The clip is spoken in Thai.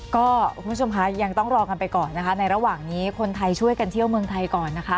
คุณผู้ชมคะยังต้องรอกันไปก่อนนะคะในระหว่างนี้คนไทยช่วยกันเที่ยวเมืองไทยก่อนนะคะ